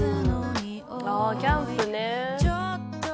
あキャンプね。